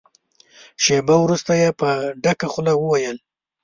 شېبه وروسته يې په ډکه خوله وويل.